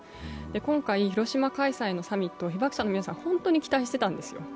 今回、広島開催のサミット、被爆者の皆さん、本当に期待してたんですよ。